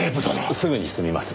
すぐに済みます。